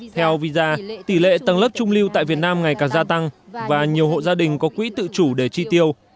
theo visa tỷ lệ tầng lớp trung lưu tại việt nam ngày càng gia tăng và nhiều hộ gia đình có quỹ tự chủ để chi tiêu